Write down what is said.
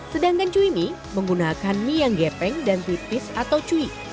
sedangkan cui mie menggunakan mie yang gepeng dan tipis atau cui